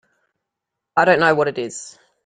I don't know what it is.